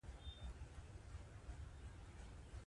د زده کړې له لارې د ټولنې د هویت ساتنه کيږي.